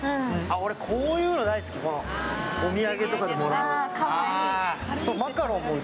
俺、こういうの大好き、お土産とかでもらう。